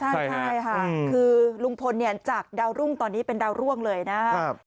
ใช่ค่ะคือลุงพลเนี่ยจากดาวรุ่งตอนนี้เป็นดาวร่วงเลยนะครับ